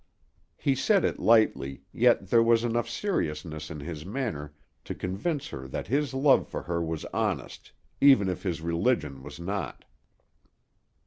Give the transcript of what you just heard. He said it lightly, yet there was enough seriousness in his manner to convince her that his love for her was honest, even if his religion was not.